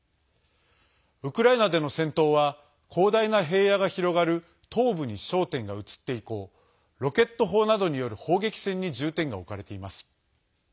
ウクライナでの戦闘は広大な平野が広がる東部に焦点が移って以降ロケット砲などによる砲撃戦に重点が置かれています。